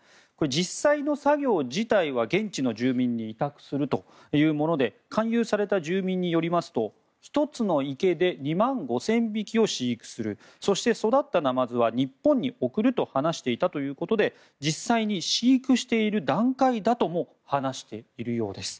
実際の作業自体は現地の住民に委託するというもので勧誘された住民によりますと１つの池で２万５０００匹を飼育するそして育ったナマズは日本に送ると話していたということで実際に飼育している段階だとも話しているようです。